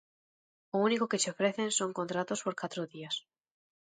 O único que che ofrecen son contratos por catro días.